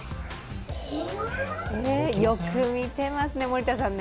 よく見てますね、森田さんね。